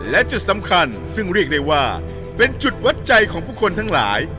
และจุดสำคัญซึ่งเรียกได้ว่าเป็นจุดวัดใจของผู้คนทั้งหลาย